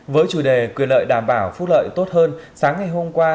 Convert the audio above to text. với chủ đề quyền lợi đảm bảo phúc lợi tốt hơn sáng ngày hôm qua